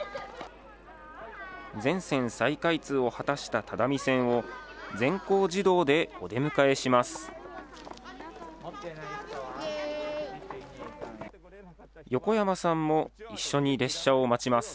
全線再開通を果たした只見線を、全校児童でお出迎えします。